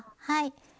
はい。